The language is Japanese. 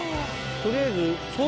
取りあえず。